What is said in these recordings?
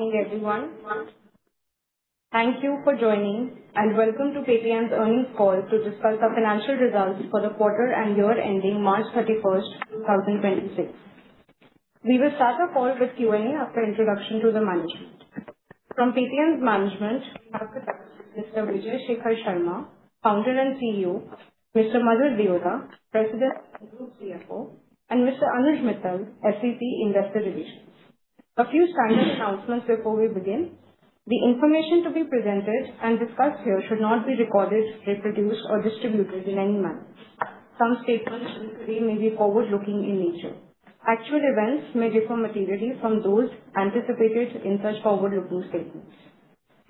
Good morning, everyone. Thank you for joining. Welcome to Paytm's earnings call to discuss our financial results for the quarter and year ending March 31st, 2026. We will start the call with Q&A after introduction to the management. From Paytm's management, we have with us Mr. Vijay Shekhar Sharma, Founder and CEO; Mr. Madhur Deora, President and Group CFO; and Mr. Anuj Mittal, SVP Investor Relations. A few standard announcements before we begin. The information to be presented and discussed here should not be recorded, reproduced, or distributed in any manner. Some statements made today may be forward-looking in nature. Actual events may differ materially from those anticipated in such forward-looking statements.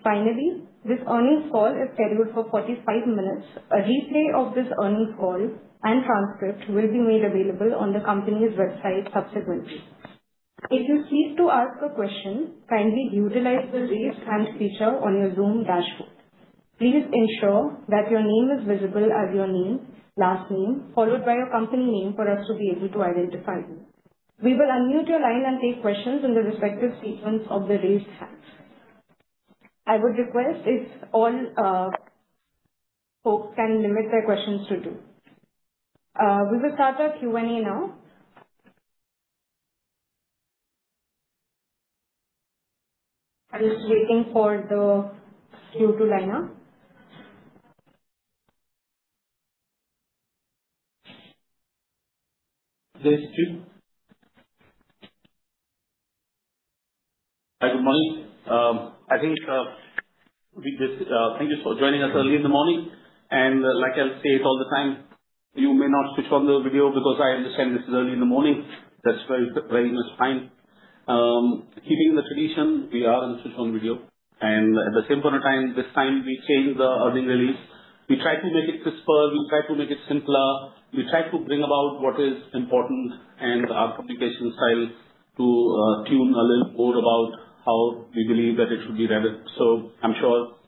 Finally, this earnings call is scheduled for 45 minutes. A replay of this earnings call and transcript will be made available on the company's website subsequently. If you seek to ask a question, kindly utilize the Raise Hand feature on your Zoom dashboard. Please ensure that your name is visible as your name, last name, followed by your company name, for us to be able to identify you. We will unmute your line and take questions in the respective sequence of the raised hands. I would request if all folks can limit their questions to two. We will start our Q&A now. I'm just waiting for the queue to line up. There is a queue. Hi, good morning. Thank you for joining us early in the morning. Like I say it all the time, you may not switch on the video because I understand this is early in the morning. That's very much fine. Keeping the tradition, we are on switch-on video. At the same point of time, this time we changed the earnings release. We tried to make it crisper. We tried to make it simpler. We tried to bring about what is important and our communication style to tune a little more about how we believe that it should be read. I'm sure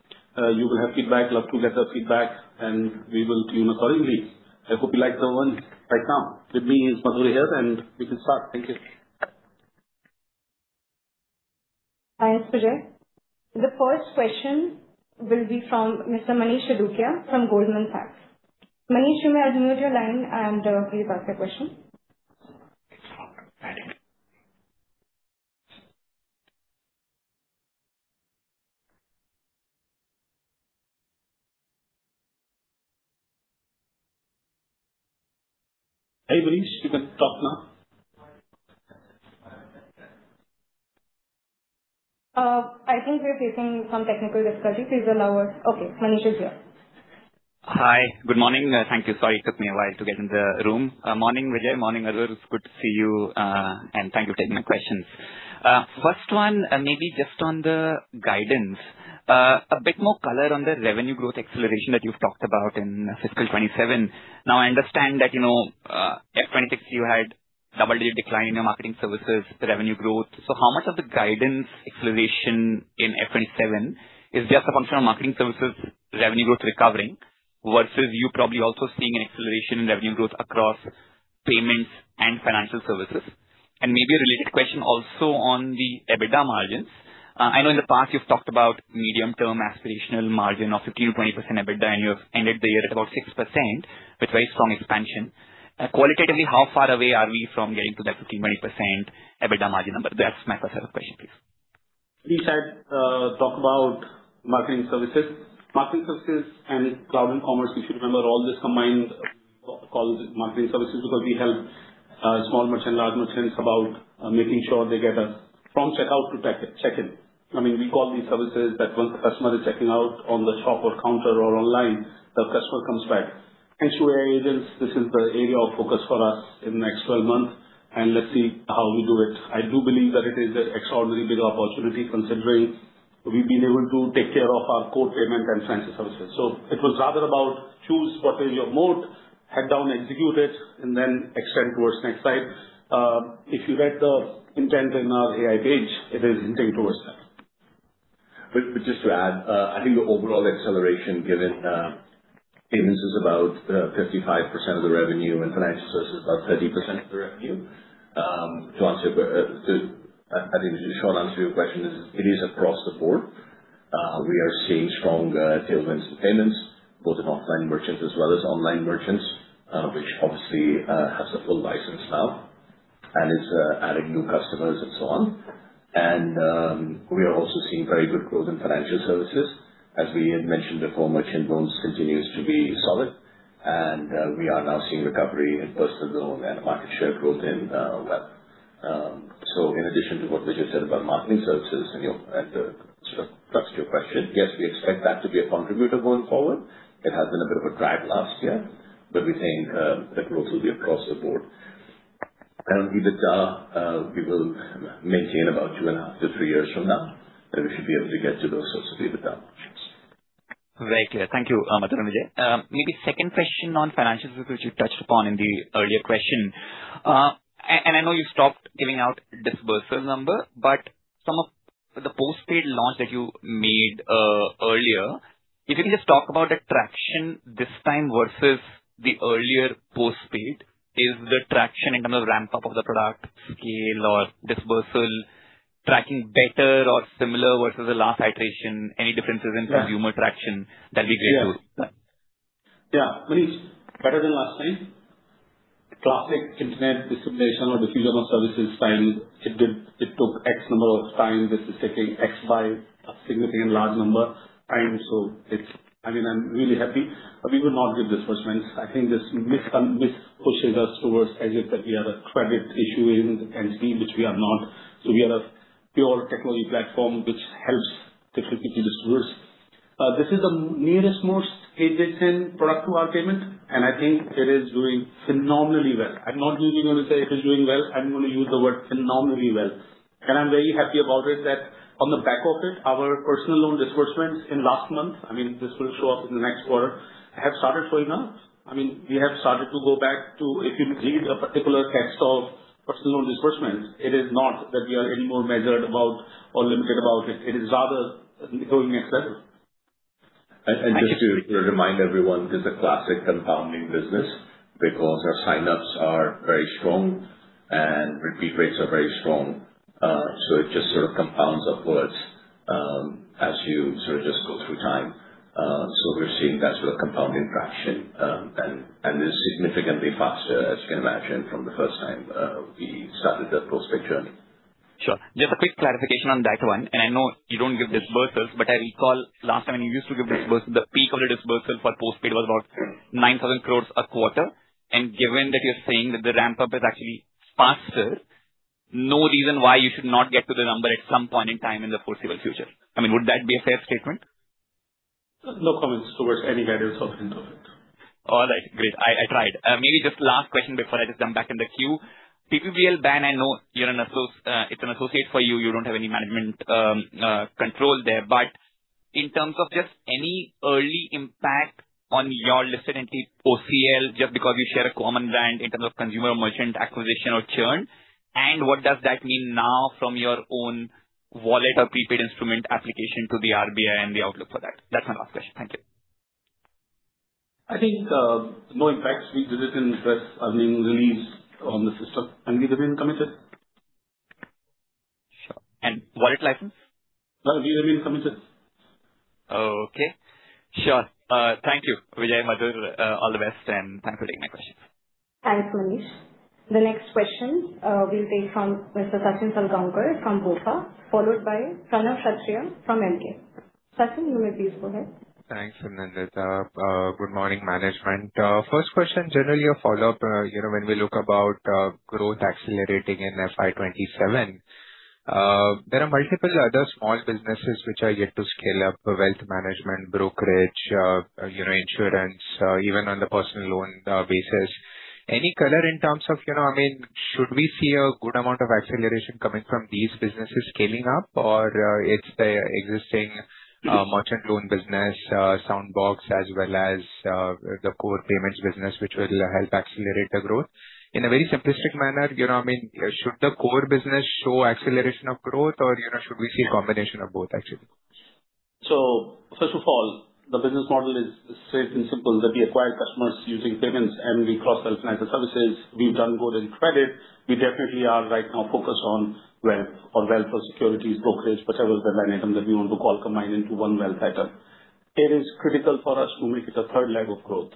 you will have feedback. Love to get the feedback, and we will tune accordingly. I hope you like the ones right now. With me is Madhur here, and we can start. Thank you. Thanks, Vijay. The first question will be from Mr. Manish Adukia from Goldman Sachs. Manish, you may unmute your line and please ask your question. Hi, Manish. You can talk now. I think we're facing some technical difficulty. Please allow us. Okay, Manish is here. Hi. Good morning. Thank you. Sorry, it took me a while to get in the room. Morning, Vijay. Morning, Madhur. It's good to see you. And thank you for taking my questions. First one, maybe just on the guidance. A bit more color on the revenue growth acceleration that you've talked about in fiscal 2027. Now, I understand that, you know, at 2026 you had double-digit decline in your marketing services revenue growth. How much of the guidance acceleration in FY 2027 is just a function of marketing services revenue growth recovering versus you probably also seeing an acceleration in revenue growth across payments and financial services? Maybe a related question also on the EBITDA margins. I know in the past you've talked about medium-term aspirational margin of 15%-20% EBITDA, and you have ended the year at about 6% with very strong expansion. Qualitatively, how far away are we from getting to that 15%, 20% EBITDA margin number? That's my first set of questions, please. We said, talk about marketing services. Marketing services and cloud and commerce, you should remember all this combined, calls marketing services because we help small merchants, large merchants about making sure they get us from checkout to check-in. I mean, we call these services that once a customer is checking out on the shop or counter or online, the customer comes back. AI agents, this is the area of focus for us in the next 12 months, let's see how we do it. I do believe that it is an extraordinary bit of opportunity considering we've been able to take care of our core payment and financial services. It was rather about choose what is your moat, head down, execute it, then extend towards next side. If you read the intent in our AI page, it is hinting towards that. Just to add, I think the overall acceleration given payments is about 55% of the revenue and financial services about 30% of the revenue. To answer, I think the short answer to your question is it is across the board. We are seeing strong tailwinds in payments, both in offline merchants as well as online merchants, which obviously, has a full license now and is adding new customers and so on. We are also seeing very good growth in financial services. As we had mentioned before, merchant loans continues to be solid, and we are now seeing recovery in personal loan and market share growth in wealth. In addition to what Vijay said about marketing services and your and sort of touched your question, yes, we expect that to be a contributor going forward. It has been a bit of a drag last year, but we think the growth will be across the board. EBITDA, we will maintain about two and a half to three years from now, that we should be able to get to those sorts of EBITDA margins. Very clear. Thank you, Madhur and Vijay. Maybe second question on financial services, which you touched upon in the earlier question. I know you stopped giving out disbursals number, but some of the Postpaid launch that you made earlier, if you can just talk about the traction this time versus the earlier Postpaid, is the traction in terms of ramp up of the product scale or disbursal tracking better or similar versus the last iteration, any differences in consumer traction? That'd be great. Yeah. Manish, better than last time. Classic internet dissemination or diffusion of services finding it took X number of time, this is taking X by a significant large number time. It's I mean, I'm really happy, but we will not give disbursements. I think this mis-pushes us towards edges that we are a credit issuing entity, which we are not. This is the nearest most adjacent product to our payment, and I think it is doing phenomenally well. I'm not usually gonna say it is doing well, I'm gonna use the word phenomenally well. I'm very happy about it that on the back of it, our personal loan disbursements in last month, I mean, this will show up in the next quarter, have started showing up. I mean, we have started to go back to, if you read the particular text of personal loan disbursements, it is not that we are any more measured about or limited about it is rather going next level. Just to remind everyone, this is a classic compounding business because our sign-ups are very strong and repeat rates are very strong. It just sort of compounds upwards as you sort of just go through time. We're seeing that sort of compounding traction. This is significantly faster, as you can imagine, from the first time we started that Postpaid journey. Sure. Just a quick clarification on that one. I know you don't give disbursements, but I recall last time when you used to give disbursements, the peak of the disbursements for Postpaid was about 9,000 crore a quarter. Given that you're saying that the ramp-up is actually faster, no reason why you should not get to the number at some point in time in the foreseeable future. I mean, would that be a fair statement? No comments towards any guidance of the kind of it. All right, great. I tried. Maybe just last question before I just jump back in the queue. PPBL ban, I know you're an associate for you don't have any management, control there. In terms of just any early impact on your listed entity, OCL, just because you share a common brand in terms of consumer merchant acquisition or churn, and what does that mean now from your own wallet or prepaid instrument application to the RBI and the outlook for that? That's my last question. Thank you. I think, no impact. We visited with earning release on the system. We remain committed. Sure. Wallet license? No, we remain committed. Okay. Sure. Thank you, Vijay, Madhur. All the best, and thanks for taking my questions. Thanks, Manish. The next question will be from Mr. Sachin Salgaonkar from BofA, followed by Pranav Kshatriya from Emkay. Sachin, you may please go ahead. Thanks, Anandita. Good morning management. First question, generally a follow-up. You know, when we look about growth accelerating in FY 2027, there are multiple other small businesses which are yet to scale up. Wealth management, brokerage, you know, insurance, even on the personal loan basis. Any color in terms of, you know, I mean, should we see a good amount of acceleration coming from these businesses scaling up? It's the existing merchant loan business, Soundbox, as well as the core payments business which will help accelerate the growth? In a very simplistic manner, you know, I mean, should the core business show acceleration of growth or, you know, should we see a combination of both actually? First of all, the business model is straight and simple, that we acquire customers using payments and we cross-sell financial services. We've done good in credit. We definitely are right now focused on wealth or securities brokerage, whichever the line item that we want to call, combine into one wealth item. It is critical for us to make it a third leg of growth.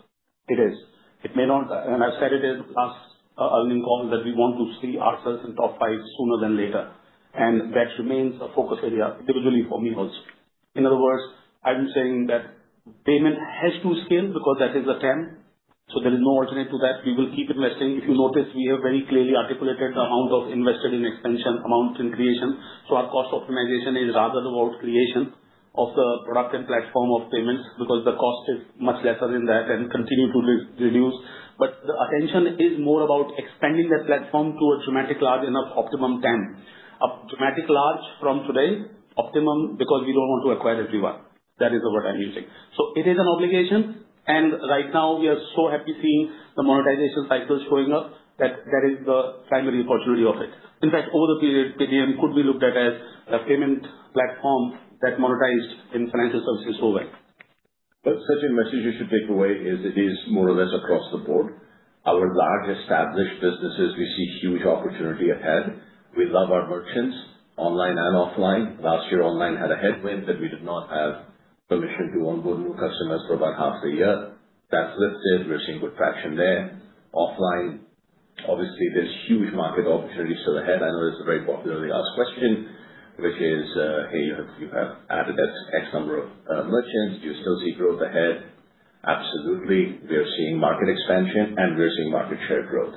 It is. It may not. I've said it in last earning call that we want to see ourselves in top five sooner than later, and that remains a focus area individually for me also. In other words, I'm saying that payment has to scale because that is a TAM, so there is no alternate to that. We will keep investing. If you notice, we have very clearly articulated the amount of invested in expansion, amount in creation. Our cost optimization is rather about creation of the product and platform of payments because the cost is much lesser than that and continue to re-reduce. The attention is more about expanding that platform to a dramatic large enough optimum TAM. A dramatic large from today, optimum because we don't want to acquire everyone. That is the word I'm using. It is an obligation, and right now we are so happy seeing the monetization cycles showing up that that is the primary opportunity of it. In fact, over the period, Paytm could be looked at as a payment platform that monetized in financial services so well. Sachin, message you should take away is it is more or less across the board. Our large established businesses, we see huge opportunity ahead. We love our merchants online and offline. Last year, online had a headwind that we did not have permission to onboard new customers for about half a year. That's lifted. We're seeing good traction there. Offline, obviously, there's huge market opportunities still ahead. I know this is a very popularly asked question, which is, "Hey, you have added X number of merchants. Do you still see growth ahead?" Absolutely. We are seeing market expansion and we are seeing market share growth.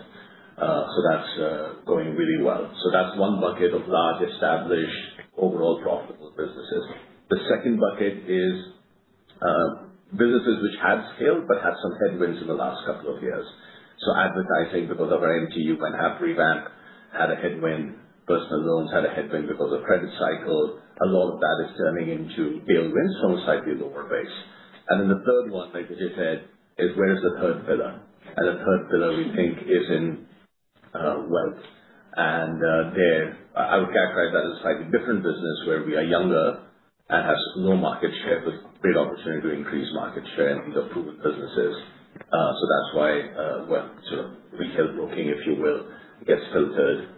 That's going really well. That's one bucket of large established overall profitable businesses. The second bucket is, businesses which have scaled but had some headwinds in the last couple of years. Advertising because of our MTU went through a revamp. Personal loans had a headwind because of credit cycle. A lot of that is turning into tailwinds from slightly lower base. The third one, like Vijay said, is where is the third pillar? The third pillar we think is in wealth. There, I would characterize that as a slightly different business where we are younger and has low market share, but great opportunity to increase market share and these are proven businesses. That's why, when sort of retail broking, if you will, gets filtered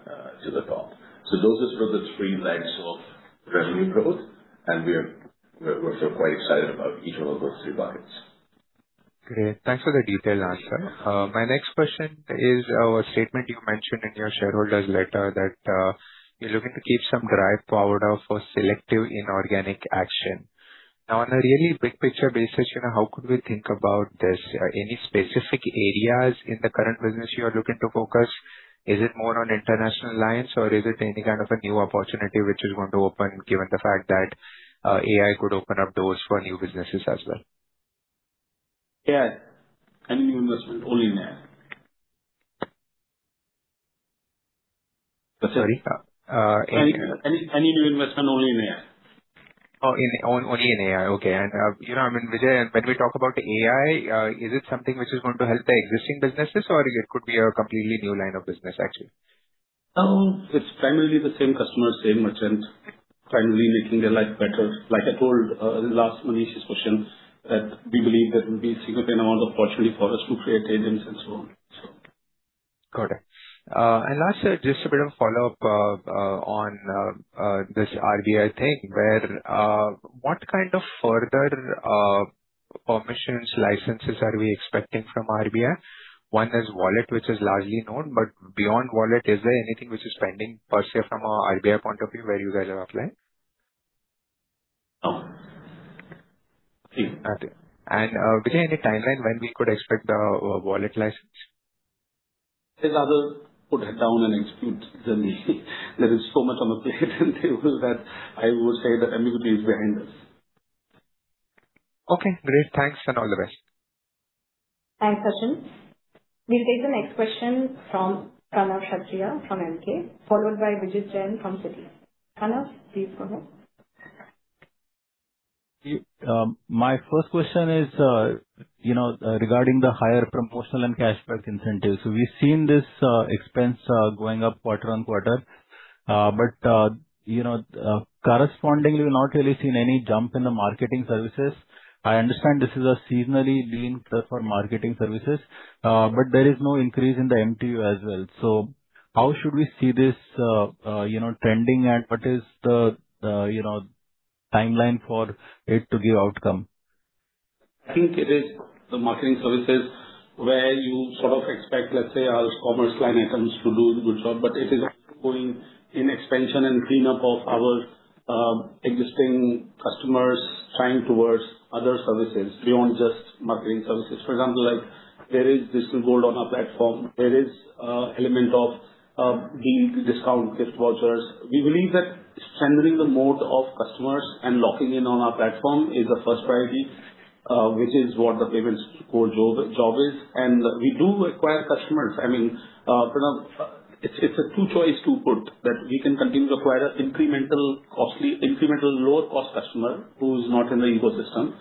to the top. Those are sort of the three legs of revenue growth, and we're feel quite excited about each one of those three buckets. Great. Thanks for the detailed answer. My next question is, a statement you mentioned in your shareholders letter that, you're looking to keep some dry powder for selective inorganic action. On a really big picture basis, you know, how could we think about this? Any specific areas in the current business you are looking to focus? Is it more on international alliance or is it any kind of a new opportunity which is going to open given the fact that, AI could open up doors for new businesses as well? Yeah. Any new investment only in AI. Sorry. Any new investment only in AI. Only in AI. Okay. You know, I mean, Vijay, when we talk about AI, is it something which is going to help the existing businesses or it could be a completely new line of business actually? It's primarily the same customers, same merchants, primarily making their life better. Like I told, in last Manish's question that we believe there will be significant amount of opportunity for us to create AI business and so on. Got it. Last, just a bit of follow-up, on this RBI thing where, what kind of further permissions licenses are we expecting from RBI? One is wallet, which is largely known, but beyond wallet, is there anything which is pending per se from a RBI point of view where you guys have applied? No. Okay. Vijay, any timeline when we could expect the wallet license? There's others who'd head down and execute than me. There is so much on the plate and table that I would say that ambiguity is behind us. Okay, great. Thanks and all the best. Thanks, Sachin. We'll take the next question from Pranav Kshatriya from Emkay, followed by Vijit Jain from Citi. Pranav, please go ahead. My first question is, you know, regarding the higher promotional and cashback incentives. We've seen this expense going up quarter on quarter. You know, correspondingly, we've not really seen any jump in the marketing services. I understand this is a seasonally lean period for marketing services, but there is no increase in the MTU as well. How should we see this, you know, trending and what is the, you know, timeline for it to give outcome? I think it is the marketing services where you sort of expect, let's say our commerce line items to do the good job, but it is also going in expansion and cleanup of our existing customers tying towards other services beyond just marketing services. For example, like there is digital G`old on our platform, there is element of deal discount gift vouchers. We believe that centering the mode of customers and locking in on our platform is the first priority, which is what the payments core job is. We do acquire customers. I mean, Pranav, it's a two choice to put that we can continue to acquire an incremental costly, incremental lower cost customer who's not in the ecosystem.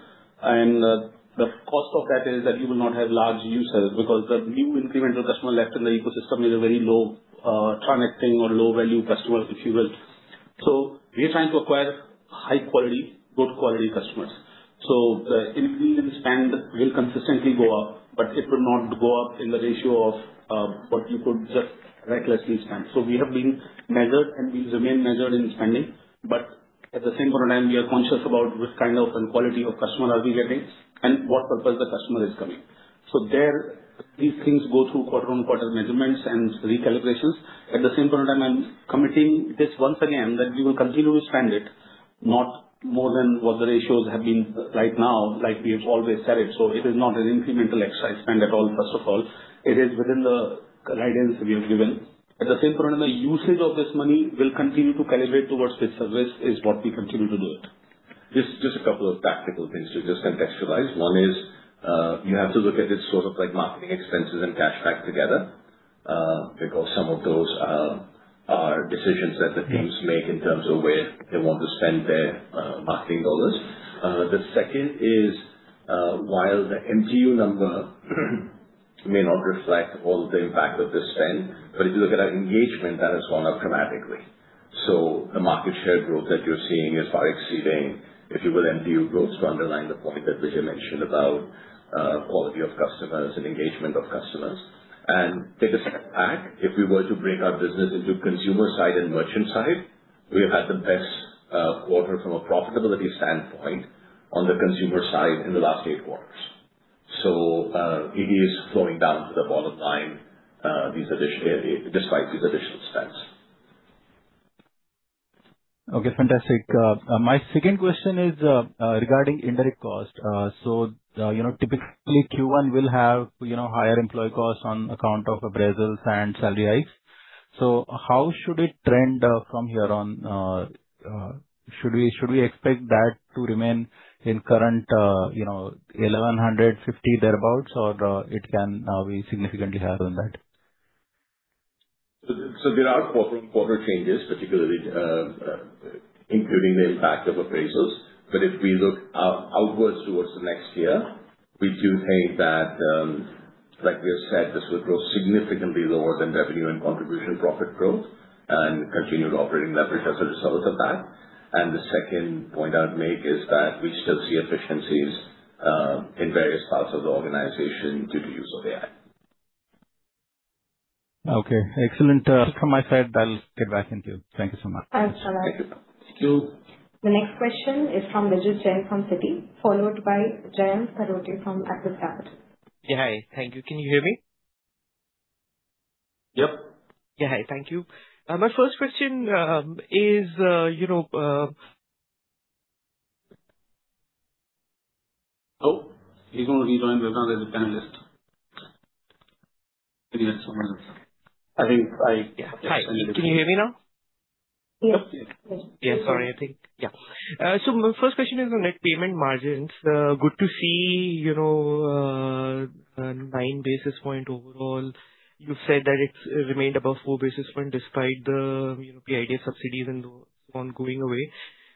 The cost of that is that you will not have large users because the new incremental customer left in the ecosystem is a very low, transacting or low value customer, if you will. We are trying to acquire high quality, good quality customers. Incremental spend will consistently go up, but it will not go up in the ratio of what you could just recklessly spend. We have been measured, and we remain measured in spending, but at the same point of time, we are conscious about which kind of and quality of customer are we getting and what purpose the customer is coming. There, these things go through quarter-on-quarter measurements and recalibrations. At the same point of time, I'm committing this once again, that we will continue to spend it not more than what the ratios have been right now, like we have always said it. It is not an incremental exercise spend at all, first of all. It is within the guidance we have given. At the same point of time, the usage of this money will continue to calibrate towards which service is what we continue to do it. Just a couple of practical things to just contextualize. One is, you have to look at it sort of like marketing expenses and cashback together, because some of those are decisions that the teams make in terms of where they want to spend their marketing dollars. The second is, while the MTU number may not reflect all the impact of this spend, but if you look at our engagement, that has gone up dramatically. The market share growth that you're seeing is far exceeding, if you will, MTU growth to underline the point that Vijay mentioned about, quality of customers and engagement of customers. Take a step back. If we were to break our business into consumer side and merchant side, we have had the best quarter from a profitability standpoint on the consumer side in the last eight quarters. It is flowing down to the bottom line, these addition area, despite these additional spends. Okay, fantastic. My second question is regarding indirect cost. You know, typically Q1 will have, you know, higher employee costs on account of appraisals and salary hikes. How should it trend from here on? Should we expect that to remain in current, you know, 1,150 thereabouts, or it can be significantly higher than that? There are quarter-on-quarter changes, particularly including the impact of appraisals. If we look outwards towards the next year. We do think that, like we have said, this will grow significantly lower than revenue and contribution profit growth and continued operating leverage as a result of that. The second point I would make is that we still see efficiencies in various parts of the organization due to use of AI. Excellent. From my side, I'll get back into you. Thank you so much. Thanks, Pranav. Thank you. Thank you. The next question is from Vijit Jain from Citi, followed by Jayant Kharote from Axis Capital. Yeah, hi. Thank you. Can you hear me? Yep. Yeah. Hi. Thank you. my first question is, you know, Oh, he's gonna be joining us now as a panelist. Maybe that's someone else. Yeah. Hi. Can you hear me now? Yes. Sorry, I think. My first question is on net payment margins. Good to see, you know, 9 basis points overall. You've said that it's remained above 4 basis points despite the PIDF subsidies and so on going away.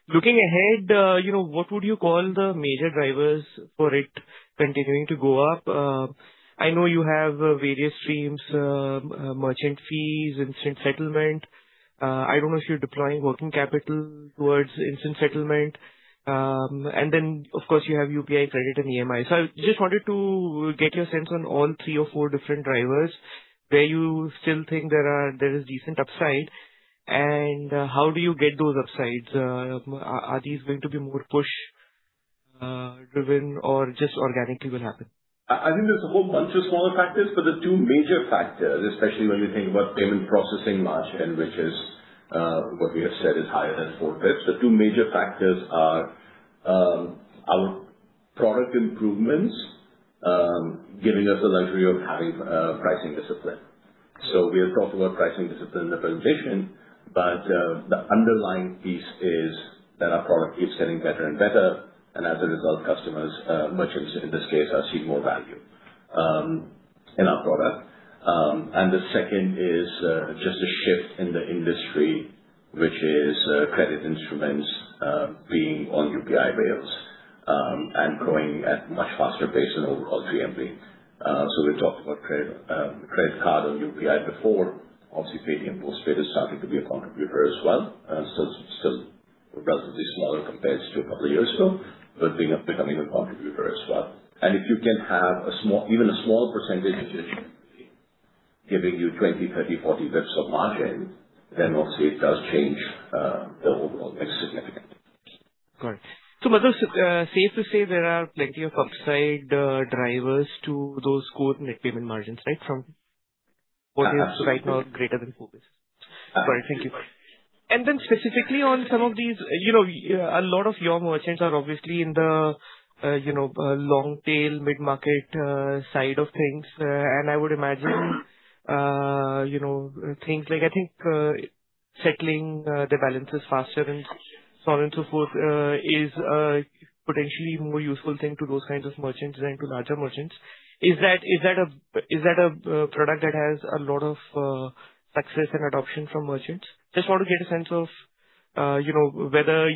Looking ahead, you know, what would you call the major drivers for it continuing to go up? I know you have various streams, merchant fees, instant settlement. I don't know if you're deploying working capital towards instant settlement. Of course, you have UPI credit and EMI. I just wanted to get your sense on all three or four different drivers where you still think there is decent upside and how do you get those upsides? Are these going to be more push driven or just organically will happen? I think there's a whole bunch of smaller factors, but the two major factors, especially when you think about payment processing margin, which is what we have said is higher than 4 basis points. The two major factors are our product improvements, giving us the luxury of having a pricing discipline. We have talked about pricing discipline in the presentation, but the underlying piece is that our product keeps getting better and better, and as a result, customers, merchants in this case are seeing more value in our product. And the second is just a shift in the industry, which is credit instruments, being on UPI rails, and growing at much faster pace than overall GMV. We've talked about credit card on UPI before, obviously Paytm Postpaid is starting to be a contributor as well. Still relatively smaller compared to a couple of years ago, but becoming a contributor as well. If you can have a small even a small percentage which is giving you 20, 30, 40 basis points of margin, then obviously it does change the overall mix significantly. Got it. Madhur, safe to say there are plenty of upside drivers to those core net payment margins, right? From what is right now greater than focus. Yes. Got it. Thank you. Specifically on some of these, you know, a lot of your merchants are obviously in the, you know, long tail mid-market side of things. I would imagine, you know, things like, I think, settling the balances faster and so on and so forth, is potentially more useful thing to those kinds of merchants than to larger merchants. Is that a product that has a lot of success and adoption from merchants? Just want to get a sense of, you know, whether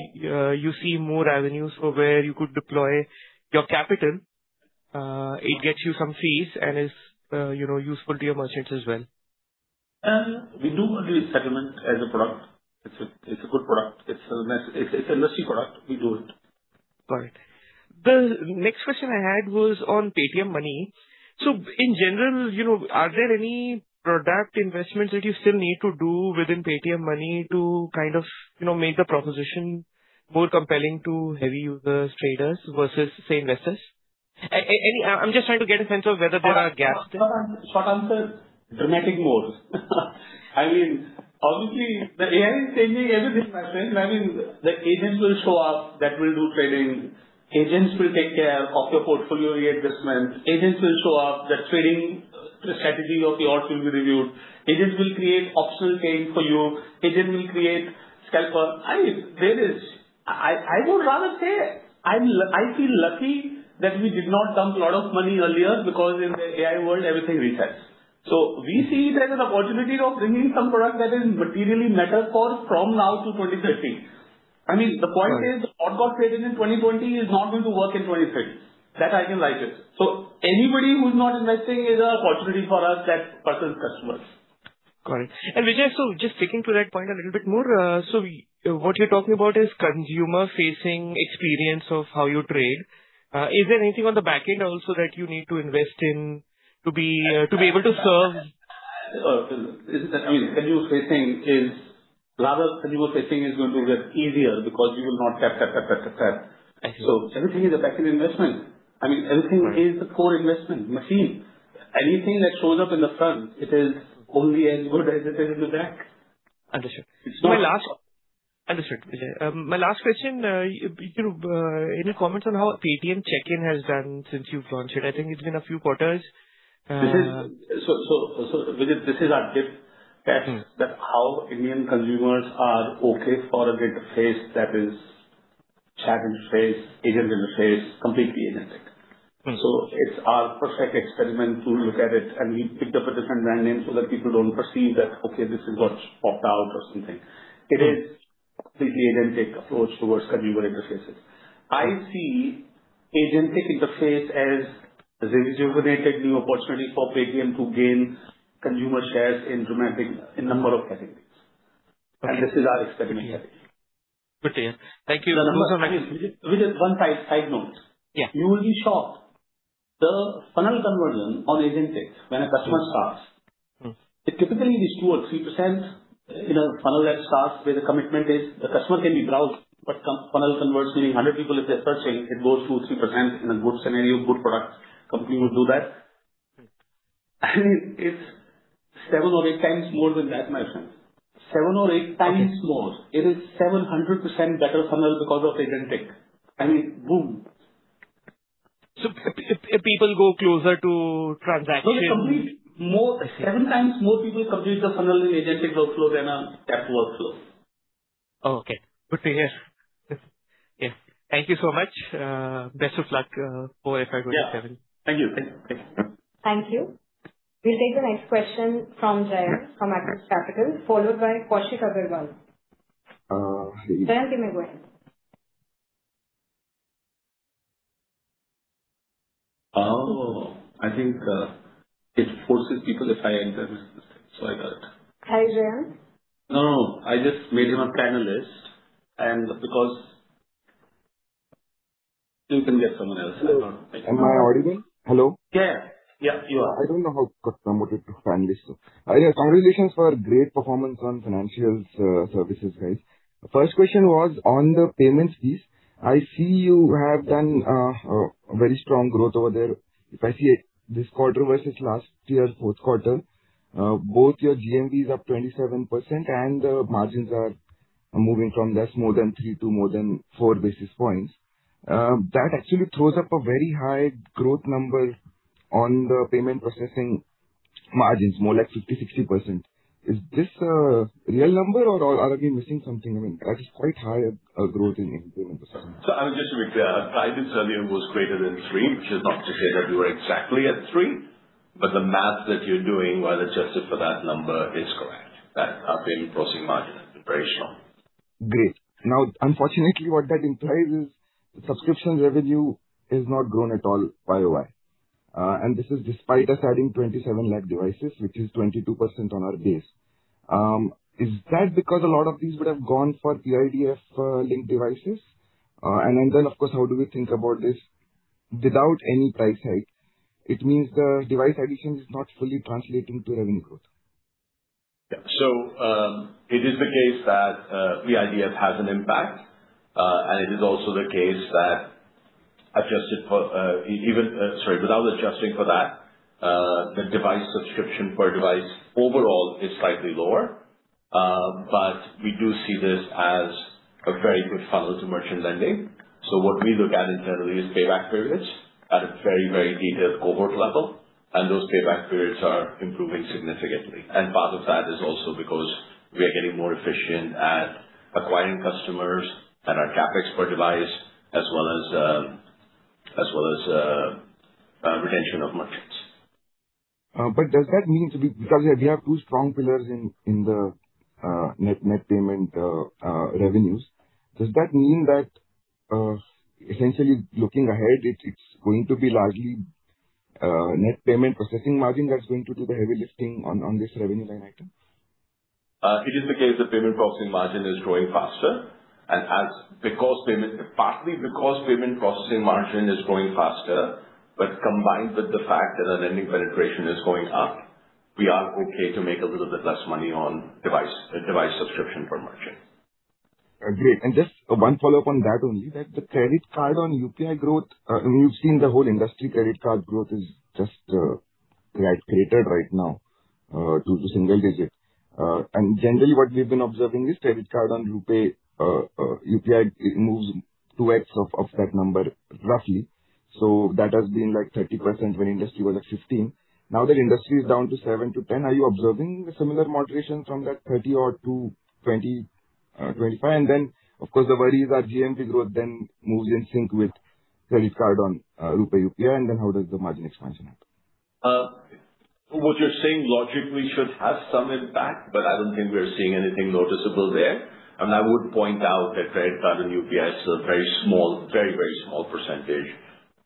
you see more avenues for where you could deploy your capital, it gets you some fees and is, you know, useful to your merchants as well. We do believe settlement as a product, it is a good product. It is a necessary product. We do it. Got it. The next question I had was on Paytm Money. In general, you know, are there any product investments that you still need to do within Paytm Money to kind of, you know, make the proposition more compelling to heavy users, traders versus, say, investors? I'm just trying to get a sense of whether there are gaps there. Short answer, dramatic mode. I mean, obviously the AI is changing everything, my friend. I mean, the agents will show up that will do trading. Agents will take care of your portfolio reinvestment. Agents will show up that trading strategy of yours will be reviewed. Agents will create optional trade for you. Agent will create scalper. I mean, there is I would rather say I'm lucky that we did not dump a lot of money earlier because in the AI world everything resets. We see it as an opportunity of bringing some product that is materially better for from now to 2030. I mean, the point is- Got it. What got created in 2020 is not going to work in 2023. That I can write it. Anybody who's not investing is an opportunity for us that person's customers. Got it. Vijay, just sticking to that point a little bit more, what you're talking about is consumer-facing experience of how you trade. Is there anything on the back end also that you need to invest in to be able to serve? Isn't that mean consumer-facing is a lot of consumer-facing is going to get easier because you will not tap, tap, tap. I see. Everything is a back-end investment. I mean, everything. Right. is a core investment machine. Anything that shows up in the front, it is only as good as it is in the back. Understood. So- My last Understood, Vijay. My last question, you know, any comments on how Paytm Checkin' has done since you've launched it? I think it's been a few quarters. This is... So Vijit this is our dip test. That how Indian consumers are okay for a interface that is chat interface, agent interface, completely agentic. It's our perfect experiment to look at it, and we picked up a different brand name so that people don't perceive that, okay, this is what popped out or something. Completely agentic approach towards consumer interfaces. I see agentic interface as rejuvenated new opportunity for Paytm to gain consumer shares in number of categories. This is our expectation. Good to hear. Thank you so much. With just one side note. Yeah. You will be shocked. The funnel conversion on agentic when a customer starts, it typically is 2% or 3% in a funnel that starts where the commitment is the customer can be browsed, but funnel converts maybe 100 people if they're purchasing, it goes 2%, 3% in a good scenario, good product company would do that. Mm-hmm. It's seven or eight times more than that, my friend. Seven or eight times more. It is 700% better funnel because of agentic. I mean, boom. People go closer to transaction. No, they complete more seven times more people complete the funnel in agentic workflow than a tap workflow. Oh, okay. Good to hear. Yeah. Thank you so much. Best of luck for FY 2027. Yeah. Thank you. Thank you. Thank you. We'll take the next question from Jayant from Axis Capital, followed by Kaushik Agrawal. See. Jayant, you may go ahead. I think, it forces people if I enter. I got it. Hi, Jayant. No, no. I just made him a panelist. You can get someone else. I don't. Am I audible? Hello? Yeah. Yeah, you are. I don't know how I got promoted to panelist. Yeah, congratulations for great performance on financials, services, guys. First question was on the payments piece. I see you have done a very strong growth over there. If I see this quarter versus last year's fourth quarter, both your GMV is up 27% and the margins are moving from less more than 3 to more than 4 basis points. That actually throws up a very high growth number on the payment processing margins, more like 50%, 60%. Is this a real number or are we missing something? I mean, that is quite high a growth in payment processing. Jayant, just to be clear, guidance earlier was greater than 3 basis points, which is not to say that we were exactly at 3 basis points, but the math that you're doing while adjusted for that number is correct. That our payment processing margin is operational. Great. Unfortunately, what that implies is subscription revenue has not grown at all Y-o-Y. This is despite us adding 27% linked devices, which is 22% on our base. Is that because a lot of these would have gone for PIDF linked devices? Of course, how do we think about this without any price hike? It means the device addition is not fully translating to revenue growth. It is the case that PIDF has an impact. It is also the case that adjusted for, without adjusting for that, the device subscription per device overall is slightly lower. We do see this as a very good funnel to merchant lending. What we look at internally is payback periods at a very, very detailed cohort level, and those payback periods are improving significantly. Part of that is also because we are getting more efficient at acquiring customers and our CapEx per device as well as well as, retention of merchants. Does that mean, because we have two strong pillars in the net payment revenues, that essentially looking ahead, it's going to be largely net payment processing margin that's going to do the heavy lifting on this revenue line item? It is the case that payment processing margin is growing faster and partly because payment processing margin is growing faster, but combined with the fact that our lending penetration is going up, we are okay to make a little bit less money on device subscription per merchant. Great. Just one follow-up on that only, that the credit card on UPI growth, I mean, we've seen the whole industry credit card growth is just flat cratered right now, to single digit. Generally what we've been observing is credit card on RuPay UPI moves 2x of that number roughly. That has been like 30% when industry was at 15%. That industry is down to 7%-10%. Are you observing a similar moderation from that 30% or to 20%-25%? Then, of course, the worry is our GMV growth then moves in sync with credit card on RuPay UPI, and then how does the margin expansion happen? What you're saying logically should have some impact, but I don't think we are seeing anything noticeable there. I mean, I would point out that credit card on UPI is a very small, very, very small percentage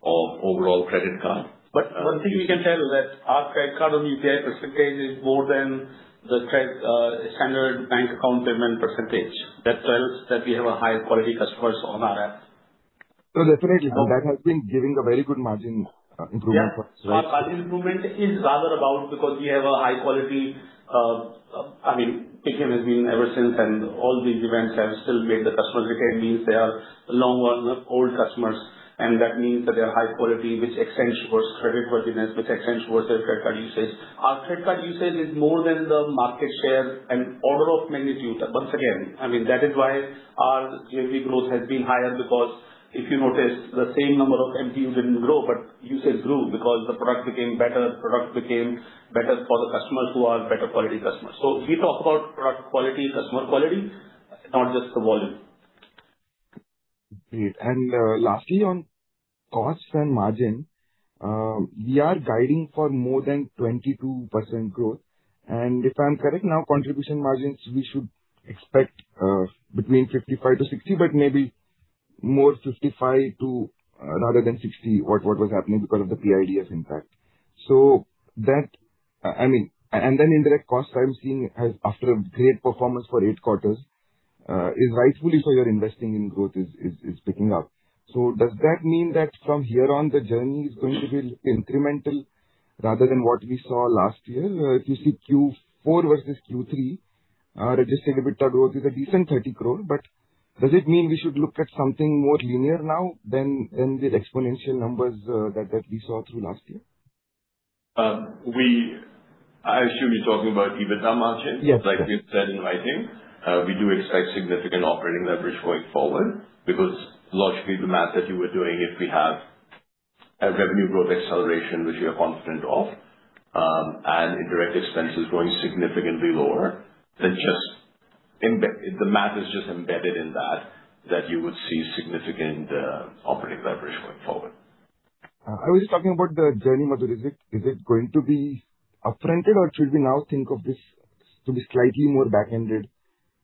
of overall credit card. One thing we can tell you that our credit card on UPI percentage is more than the standard bank account payment percentage. That tells that we have a higher quality customers on our app. Definitely that has been giving a very good margin, improvement. Yeah. Our margin improvement is rather about because we have a high quality, I mean, it has been ever since, and all the events have still made the customer retain, means they are long-run old customers, and that means that they are high quality, which extends towards credit worthiness, which extends towards their credit card usage. Our credit card usage is more than the market share and order of magnitude. Once again, I mean, that is why our GMV growth has been higher because if you notice, the same number of MTU used didn't grow, but usage grew because the product became better, the product became better for the customers who are better quality customers. We talk about product quality, customer quality, not just the volume. Great. Lastly, on costs and margin, we are guiding for more than 22% growth. If I'm correct, now contribution margins we should expect between 55%-60%, but maybe more 55% to rather than 60%, what was happening because of the PIDF impact. I mean, then indirect costs I'm seeing has after a great performance for eight quarters, is rightfully so you're investing in growth is picking up. Does that mean that from here on the journey is going to be incremental rather than what we saw last year? If you see Q4 versus Q3, Adjusted EBITDA growth is a decent 30 crore, but does it mean we should look at something more linear now than the exponential numbers that we saw through last year? We should be talking about EBITDA margin. Yes. like you said in my team. We do expect significant operating leverage going forward because logically the math that you were doing, if we have a revenue growth acceleration, which we are confident of, and indirect expenses going significantly lower, then just the math is just embedded in that you would see significant operating leverage going forward. I was just talking about the journey, Madhur. Is it going to be up-fronted or should we now think of this to be slightly more back-ended?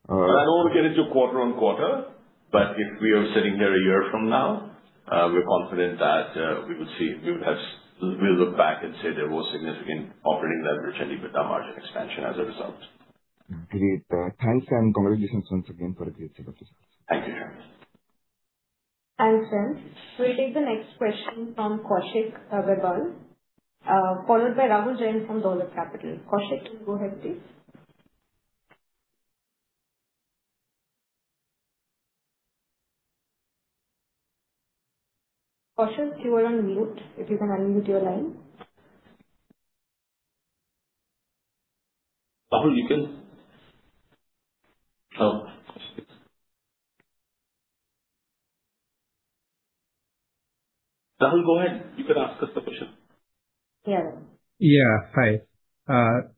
I don't wanna get into quarter-on-quarter, but if we are sitting here a year from now, we're confident that we'll look back and say there was significant operating leverage and EBITDA margin expansion as a result. Great. Thanks and congratulations once again for a great set of results. Thank you. Thanks, Jayant. We'll take the next question from Kaushik Agrawal, followed by Rahul Jain from Dolat Capital. Kaushik, you go ahead, please. Kaushik, you are on mute. If you can unmute your line. Rahul, you can, Kaushik. Rahul, go ahead. You can ask us the question. Yeah. Yeah. Hi.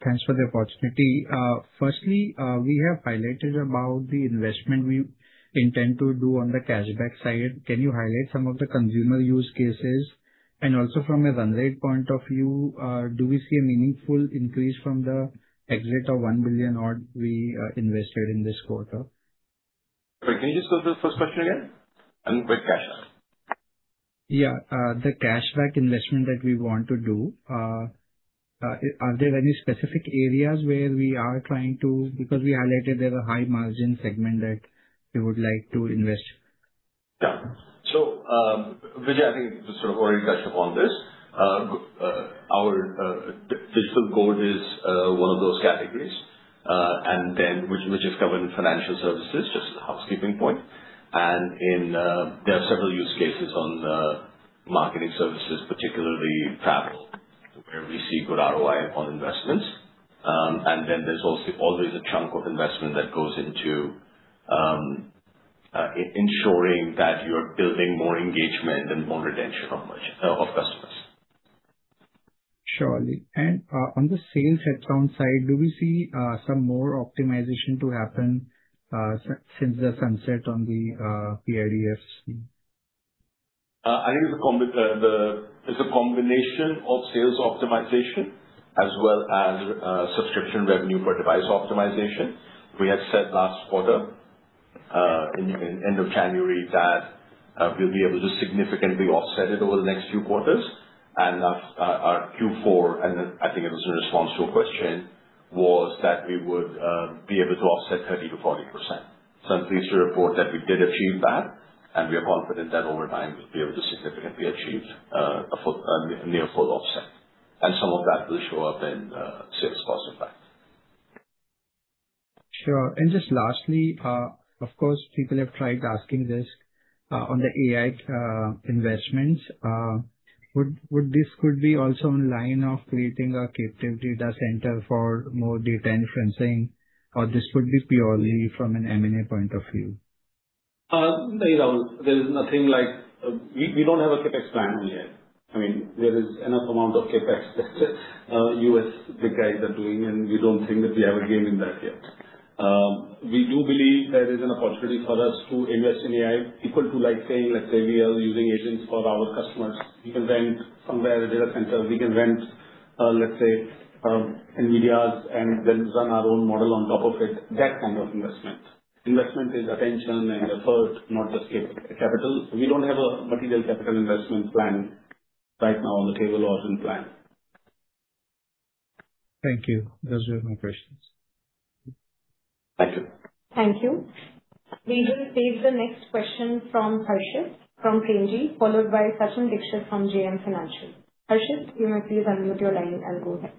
Thanks for the opportunity. Firstly, we have highlighted about the investment we intend to do on the cashback side. Can you highlight some of the consumer use cases? Also from a run rate point of view, do we see a meaningful increase from the exit of 1 billion odd we invested in this quarter? Sorry, can you just go through the first question again? Only about cashback. Yeah, the cashback investment that we want to do, are there any specific areas where we are trying to? Because we highlighted there's a high margin segment that we would like to invest. Vijay, I think sort of already touched upon this. Our Digital Gold is one of those categories, which is covered in financial services, just as a housekeeping point. There are several use cases on marketing services, particularly travel, where we see good ROI on investments. There's also always a chunk of investment that goes into ensuring that you're building more engagement and more retention of customers. Surely. On the sales headcount side, do we see some more optimization to happen since the sunset on the PIDF? I think it's a combination of sales optimization as well as subscription revenue for device optimization. We had said last quarter, in end of January that we'll be able to significantly offset it over the next few quarters and our Q4, and I think it was in response to a question, was that we would be able to offset 30%-40%. I'm pleased to report that we did achieve that, and we are confident that over time we'll be able to significantly achieve a full, near full offset. Some of that will show up in sales cost impact. Sure. Just lastly, of course, people have tried asking this, on the AI investments. Would this could be also in line of creating a captive data center for more data inferencing, or this would be purely from an M&A point of view? No, Rahul, there is nothing like we don't have a CapEx plan on AI. I mean, there is enough amount of CapEx U.S. big guys are doing, and we don't think that we have a game in that yet. We do believe there is an opportunity for us to invest in AI equal to like saying, let's say we are using agents for our customers. We can rent somewhere a data center. We can rent, let's say, NVIDIA's and then run our own model on top of it, that kind of investment. Investment is attention and effort, not just capital. We don't have a material capital investment plan right now on the table or in plan. Thank you. Those were my questions. Thank you. Thank you. We will take the next question from Harshit from Premji, followed by Sachin Dixit from JM Financial. Harshit, you may please unmute your line and go ahead.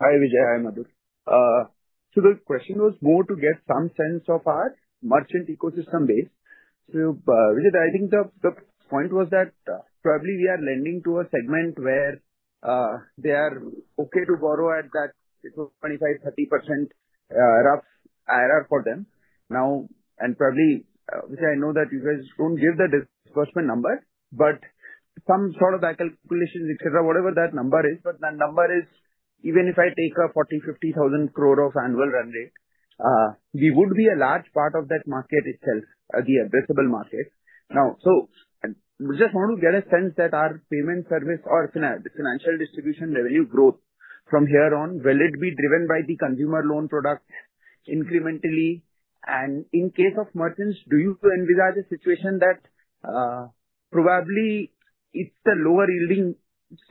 Hi, Vijay. Hi, Madhur. The question was more to get some sense of our merchant ecosystem base. Vijay, I think the point was that probably we are lending to a segment where they are okay to borrow at that 25%-30% rough IRR for them. Now, probably, Vijay, I know that you guys don't give the disbursement number. Some sort of back calculations, et cetera, whatever that number is, but that number is even if I take an 40,000-50,000 crore of annual run rate, we would be a large part of that market itself, the addressable market. Just want to get a sense that our payment service or financial distribution revenue growth from here on, will it be driven by the consumer loan product incrementally? In case of merchants, do you envisage a situation that probably it's the lower-yielding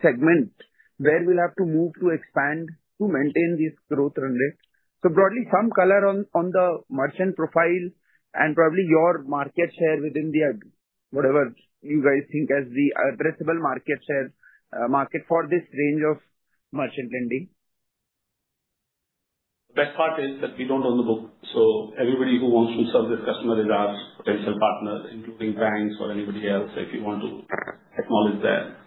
segment where we'll have to move to expand to maintain this growth run rate? Broadly, some color on the merchant profile and probably your market share within whatever you guys think as the addressable market share market for this range of merchant lending. The best part is that we don't own the book, so everybody who wants to serve this customer is our potential partner, including banks or anybody else, if you want to acknowledge that.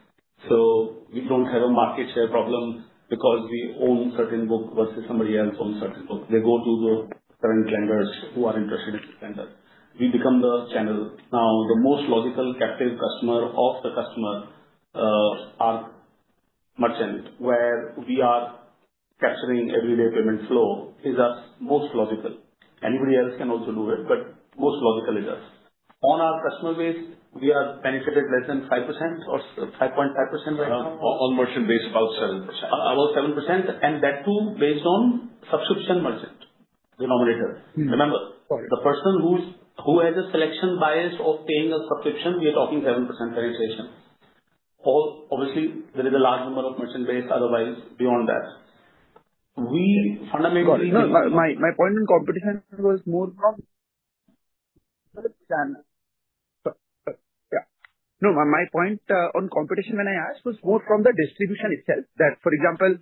We don't have a market share problem because we own certain book versus somebody else owns certain book. They go to the current lenders who are interested in lender. We become the channel. Now, the most logical captive customer of the customer are merchants, where we are capturing everyday payment flow is most logical. Anybody else can also do it, but most logical is us. On our customer base, we are penetrated less than 5% or 5.5% right now. On merchant base, about 7%. About 7%, and that too based on subscription merchant denominator. Remember. Got it. The person who has a selection bias of paying a subscription, we are talking 7% penetration, or obviously there is a large number of merchant base otherwise beyond that. Got it. My point on competition when I asked was more from the distribution itself. For example,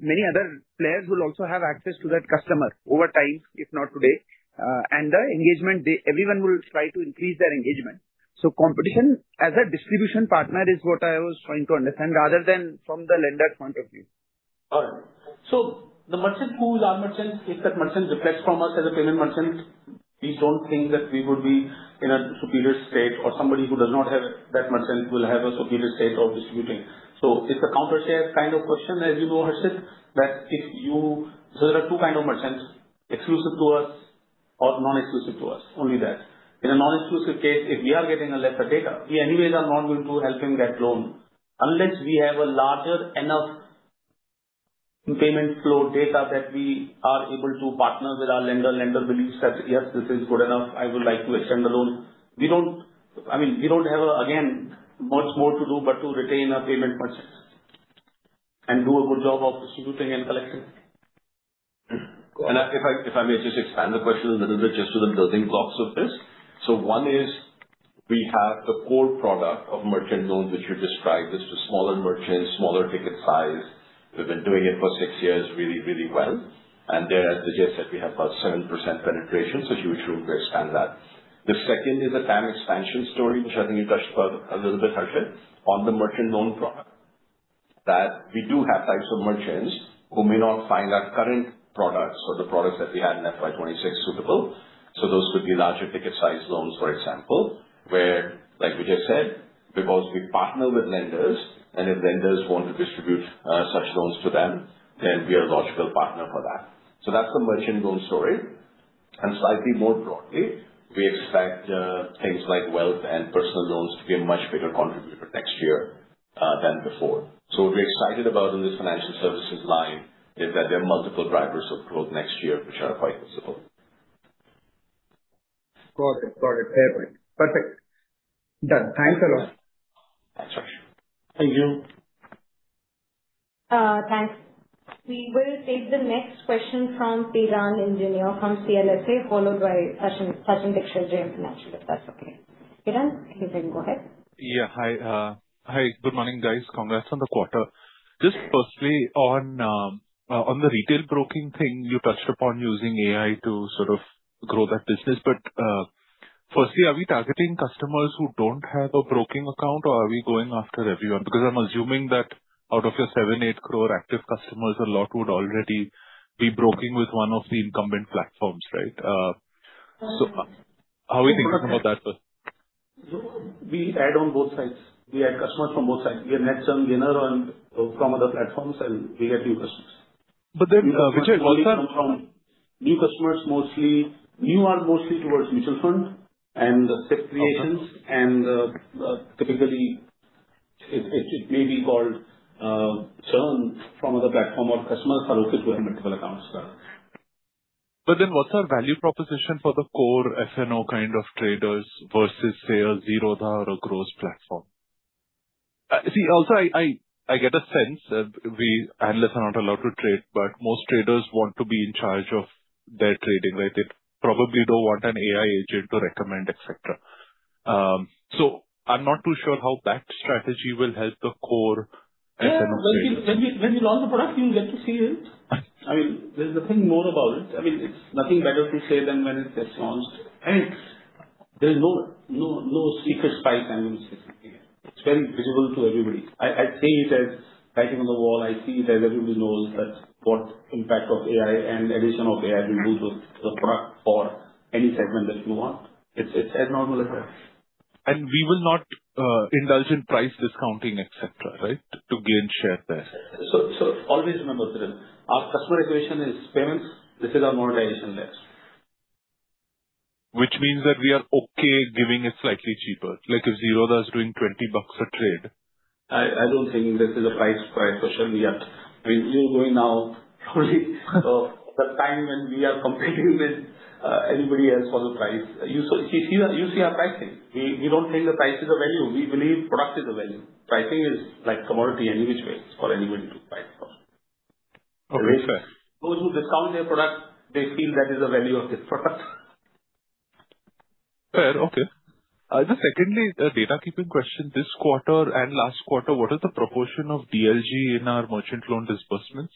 many other players will also have access to that customer over time, if not today. The engagement, everyone will try to increase their engagement. Competition as a distribution partner is what I was trying to understand rather than from the lender point of view. The merchant who is our merchant, if that merchant defects from us as a payment merchant, we don't think that we would be in a superior state, or somebody who does not have that merchant will have a superior state of distributing. It's a counter share kind of question, as you know, Harshit. So there are two kind of merchants, exclusive to us or non-exclusive to us, only that. In a non-exclusive case, if we are getting a lesser data, we anyways are not going to help him get loan unless we have a larger enough payment flow data that we are able to partner with our lender. Lender believes that, "Yes, this is good enough. I would like to extend the loan. We don't, I mean, we don't have a, again, much more to do but to retain our payment merchants and do a good multiple of distributing and collecting. Got it. If I may just expand the question a little bit just to the building blocks of this. One is we have the core product of merchant loans, which you described, is to smaller merchants, smaller ticket size. We've been doing it for six years really well. There, as Vijay said, we have about 7% penetration, so you should understand that. The second is a TAM expansion story, which I think you touched upon a little bit, Harshit, on the merchant loan product, that we do have types of merchants who may not find our current products or the products that we had in FY 2026 suitable. Those could be larger ticket size loans, for example, where, like Vijay said, because we partner with lenders and if lenders want to distribute such loans to them, then we are a logical partner for that. That's the merchant loan story. Slightly more broadly, we expect things like wealth and personal loans to be a much bigger contributor next year than before. What we're excited about in this financial services line is that there are multiple drivers of growth next year which are quite visible. Got it. Fair point. Perfect. Done. Thanks a lot. That's right. Thank you. Thanks. We will take the next question from Piran Engineer from CLSA, followed by Sachin Dixit, JM Financial, if that's okay. Piran, you can go ahead. Yeah. Hi. Hi. Good morning, guys. Congrats on the quarter. Just firstly on the retail broking thing you touched upon using AI to sort of grow that business. Firstly, are we targeting customers who don't have a broking account or are we going after everyone? I'm assuming that out of your 7, 8 crore active customers, a lot would already be broking with one of the incumbent platforms, right? How are we thinking about that first? Look, we add on both sides. We add customers from both sides. We net some winner on, from other platforms. We get new customers. Vijay. New customers mostly, new are mostly towards mutual funds and SIP creations. Okay. Typically it may be called churn from other platform or customers are also joining multiple accounts as well. What's our value proposition for the core F&O kind of traders versus say a Zerodha or a Groww platform? See, also I get a sense, we analysts are not allowed to trade, but most traders want to be in charge of their trading, right? They probably don't want an AI agent to recommend, et cetera. I'm not too sure how that strategy will help the core F&O traders. Yeah. When we launch the product, you'll get to see it. I mean, there's nothing more about it. I mean, it's nothing better to say than when it gets launched. There's no secret spice I'm using here. It's very visible to everybody. I see it as writing on the wall. I see it as everybody knows what impact of AI and addition of AI will do to the product for any segment that you want. It's as normal as that. We will not indulge in price discounting, et cetera, right? To gain share there. Always remember, Piran, our customer equation is payments. This is our monetization lens. Which means that we are okay giving it slightly cheaper. Like if Zerodha is doing 20 bucks a trade. I don't think this is a price fight, especially at I mean, you're going now probably the time when we are competing with anybody else for the price. You see our pricing. We don't think the price is a value. We believe product is a value. Pricing is like commodity any which way for anybody to price for. Okay, fair. Those who discount their product, they feel that is the value of their product. Fair. Okay. Just secondly, a data-keeping question. This quarter and last quarter, what is the proportion of DLG in our merchant loan disbursements?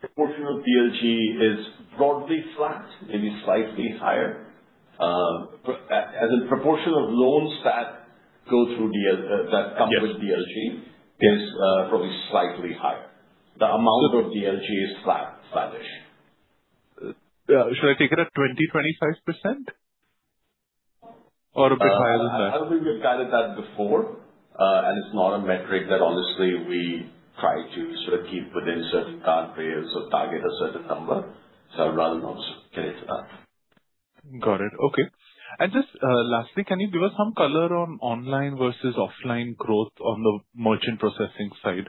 Proportion of DLG is broadly flat, maybe slightly higher. As a proportion of loans that go through DL. Yes. with DLG is, probably slightly higher. The amount of DLG is flat, flattish. Should I take it at 20%, 25% or a bit higher than that? I don't think we've guided that before, and it's not a metric that honestly we try to sort of keep within certain guardrails or target a certain number, so I'd rather not get into that. Got it. Okay. Just lastly, can you give us some color on online versus offline growth on the merchant processing side?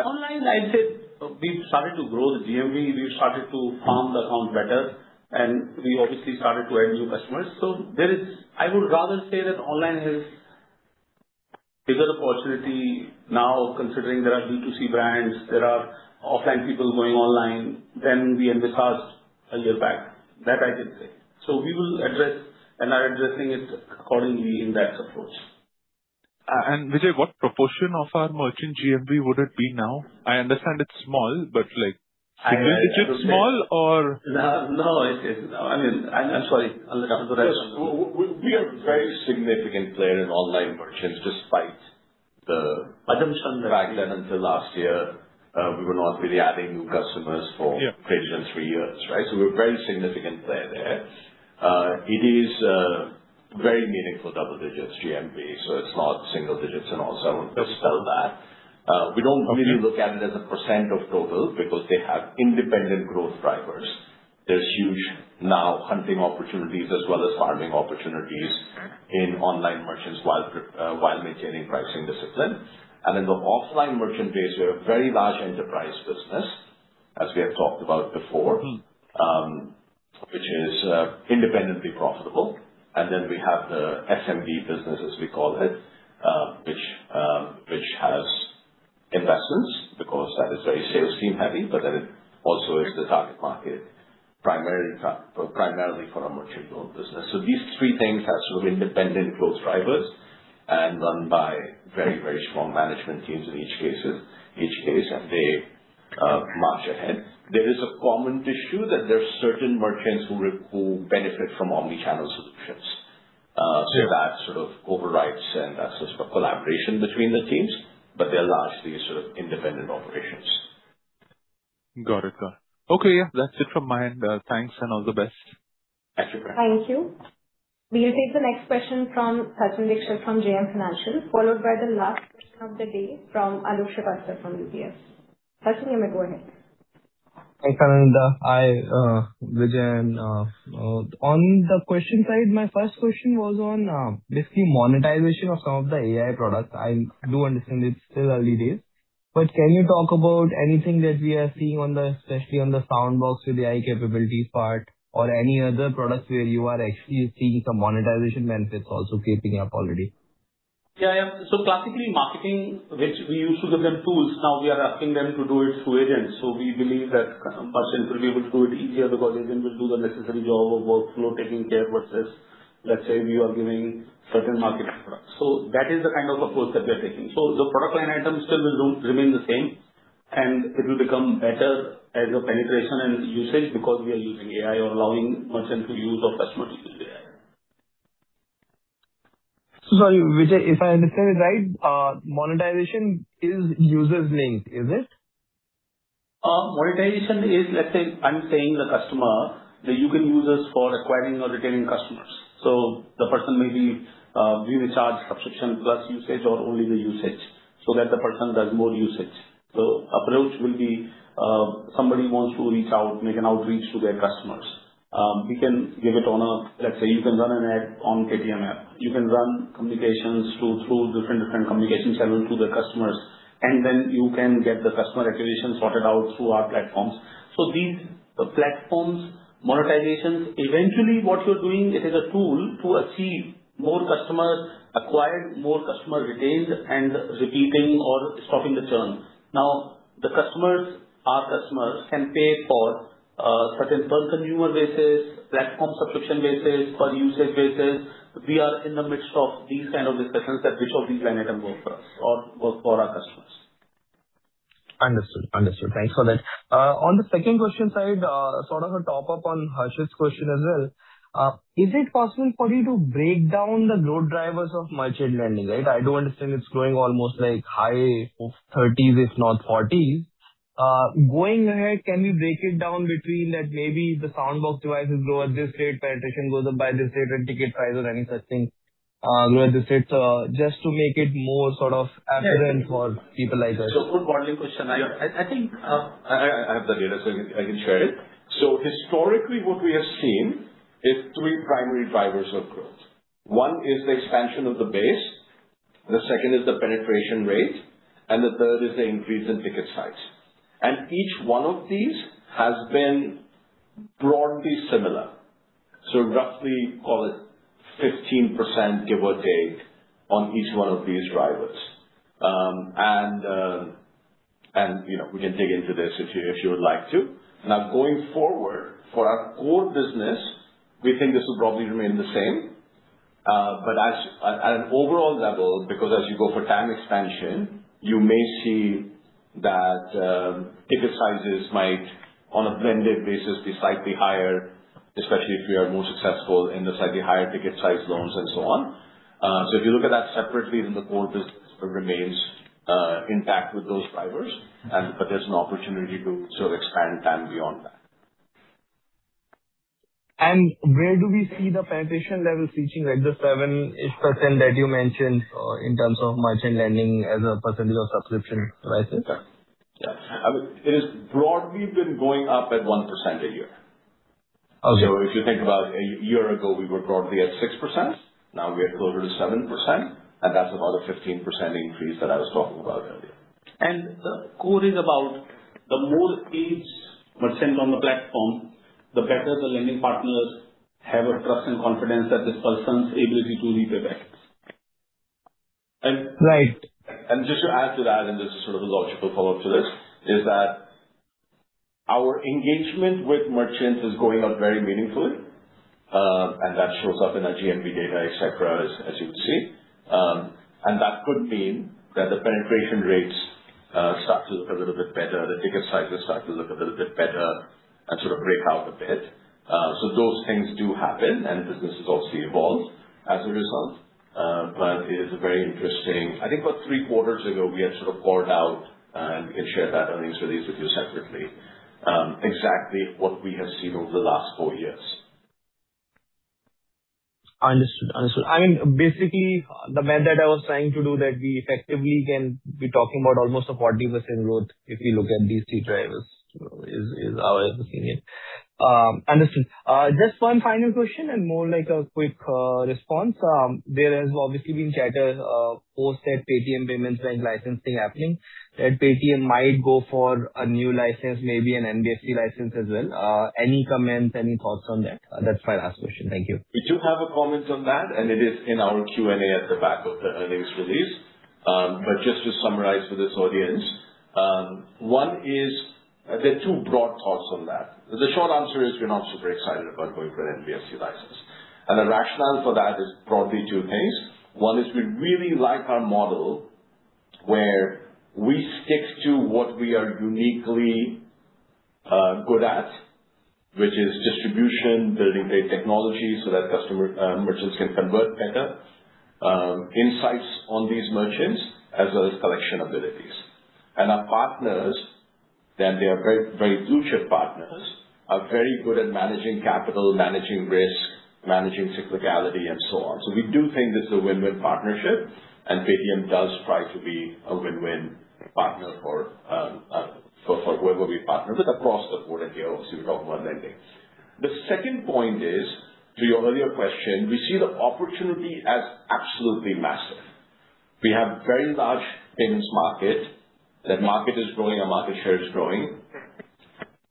Online, I'd say we've started to grow the GMV. We've started to farm the account better, and we obviously started to add new customers. I would rather say that online has a bigger opportunity now considering there are B2C brands, there are offline people going online than we envisaged a year back. That I can say. We will address and are addressing it accordingly in that approach. Vijay, what proportion of our merchant GMV would it be now? I understand it's small, like single digits small or? No, it I mean, I'm sorry. I'll let Madhur answer that one. We are a very significant player in online merchants. [inaudible] fact that until last year, we were not really adding new customers for. Yeah. greater than three years, right? We're a very significant player there. It is very meaningful double digits GMV, so it's not single digits and all, so I won't dispel that. Okay. We don't really look at it as a percent of total because they have independent growth drivers. There's huge now hunting opportunities as well as farming opportunities. in online merchants while maintaining pricing discipline. In the offline merchant base, we're a very large enterprise business, as we have talked about before. Which is independently profitable. We have the SMB business, as we call it, which has investments because that is very sales team heavy. It also is the target market primarily for our merchant loan business. These three things have sort of independent growth drivers and run by very, very strong management teams in each case, and they march ahead. There is a common tissue that there are certain merchants who benefit from omni-channel solutions. Yeah. That sort of overrides and that's just a collaboration between the teams, but they're largely sort of independent operations. Got it. Okay. That's it from my end. Thanks and all the best. Thank you. Thank you. We'll take the next question from Sachin Dixit from JM Financial, followed by the last question of the day from Anusha Kastur from UBS. Sachin, you may go ahead. Hi, Nandita. Hi, Vijay and on the question side, my first question was on basically monetization of some of the AI products. I do understand it's still early days, but can you talk about anything that we are seeing on the, especially on the Soundbox with AI capabilities part or any other products where you are actually seeing some monetization benefits also creeping up already? Yeah, yeah. Classically marketing, which we used to give them tools, now we are asking them to do it through agents. We believe that merchants will be able to do it easier because agent will do the necessary job of workflow taking care versus let's say we are giving certain marketing products. That is the kind of approach that we are taking. The product line items still will remain the same, and it will become better as your penetration and usage because we are using AI or allowing merchant to use or customers to use AI. Sorry, Vijay, if I understand it right, monetization is usage-linked, is it? Monetization is, let's say, I'm saying the customer that you can use us for acquiring or retaining customers. The person may be, we recharge subscription plus usage or only the usage so that the person does more usage. Approach will be, somebody wants to reach out, make an outreach to their customers. We can give it on a, let's say, you can run an ad on Paytm app. You can run communications through different communication channels to the customers, and then you can get the customer acquisition sorted out through our platforms. These platforms, monetizations, eventually what you're doing it is a tool to achieve more customers acquired, more customers retained and repeating or stopping the churn. Now, the customers, our customers can pay for, certain per consumer basis, platform subscription basis, per usage basis. We are in the midst of these kind of discussions that which of these line item work for us or work for our customers. Understood. Understood. Thanks for that. On the second question side, sort of a top-up on Harshit's question as well. Is it possible for you to break down the growth drivers of merchant lending, right? I do understand it's growing almost like high 30s, if not 40s. Going ahead, can we break it down between, like, maybe the Soundbox devices grow at this rate, penetration goes up by this rate and ticket price or any such thing, grow at this rate? Yes. -evident for people like us. Good modeling question. Yeah. I think, I have the data, I can share it. Historically, what we have seen is three primary drivers of growth. One is the expansion of the base, the second is the penetration rate, and the third is the increase in ticket size. Each one of these has been broadly similar. Roughly call it 15% give or take on each one of these drivers. You know, we can dig into this if you, if you would like to. Going forward, for our core business, we think this will probably remain the same. But as at an overall level, because as you go for TAM expansion, you may see that ticket sizes might, on a blended basis, be slightly higher, especially if we are more successful in the slightly higher ticket size loans and so on. If you look at that separately, then the core business remains intact with those drivers. There's an opportunity to sort of expand TAM beyond that. Where do we see the penetration level reaching, like the 7%-ish that you mentioned, in terms of merchant lending as a percentage of subscription devices? Yeah. Yeah. I mean, it has broadly been going up at 1% a year. Okay. If you think about a year ago, we were broadly at 6%, now we are closer to 7%, that's about a 15% increase that I was talking about earlier. The core is about the more engaged merchant on the platform, the better the lending partners have a trust and confidence that this person's ability to repay back. Right. Just to add to that, and this is sort of a logical follow-up to this, is that our engagement with merchants is going up very meaningfully, and that shows up in our GMV data, et cetera, as you can see. That could mean that the penetration rates start to look a little bit better, the ticket sizes start to look a little bit better and sort of break out a bit. Those things do happen and businesses obviously evolve as a result. It is a very interesting I think about three quarters ago we had sort of called out, and we can share that earnings release with you separately, exactly what we have seen over the last four years. Understood. Understood. I mean, basically the math that I was trying to do that we effectively can be talking about almost a 40% growth if we look at these three drivers, you know, is our opinion. Understood. Just one final question and more like a quick response. There has obviously been chatter post that Paytm Payments Bank license thing happening, that Paytm might go for a new license, maybe an NBFC license as well. Any comments, any thoughts on that? That's my last question. Thank you. We do have a comment on that, and it is in our Q&A at the back of the earnings release. Just to summarize for this audience, one is, there are two broad thoughts on that. The short answer is we're not super excited about going for an NBFC license. The rationale for that is broadly two things. One is we really like our model where we stick to what we are uniquely good at, which is distribution, building great technology so that customer merchants can convert better, insights on these merchants as well as collection abilities. Our partners, and they are very, very blue-chip partners, are very good at managing capital, managing risk, managing cyclicality, and so on. We do think this is a win-win partnership, and Paytm does try to be a win-win partner for whoever we partner with across the board here, obviously we're talking about lending. The second point is, to your earlier question, we see the opportunity as absolutely massive. We have very large payments market. That market is growing, our market share is growing.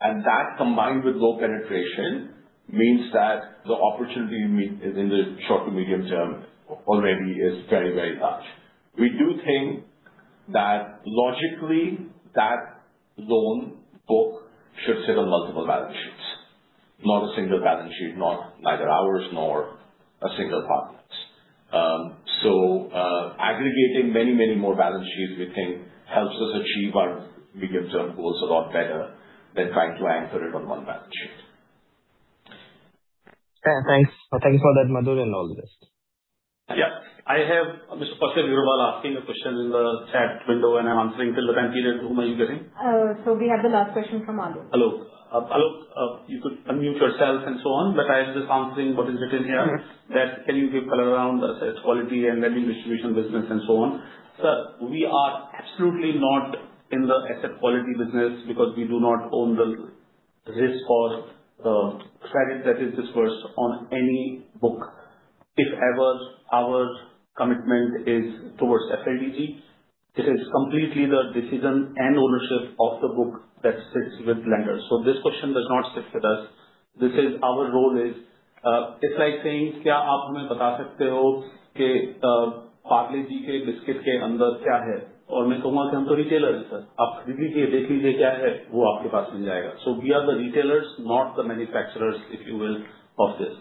That combined with low penetration means that the opportunity is in the short to medium term already is very large. We do think that logically that loan book should sit on multiple balance sheets, not a single balance sheet, not neither ours nor a single partner's. Aggregating many more balance sheets we think helps us achieve our medium-term goals a lot better than trying to anchor it on one balance sheet. Yeah. Thanks. Thanks for that, Madhur, and all the best. Yeah. I have Kaushik Agarwal asking a question in the chat window, and I'm answering till the time period whom are you getting. We have the last question from Madhu. Hello. You could unmute yourself and so on, but I am just answering what is written here. Yes. That can you give color around the asset quality and lending distribution business and so on? Sir, we are absolutely not in the asset quality business because we do not own the risk or the credit that is disbursed on any book. If ever our commitment is towards FLDG, this is completely the decision and ownership of the book that sits with lenders. This question does not sit with us. This is our role is, it's like saying, we are the retailers, not the manufacturers, if you will, of this.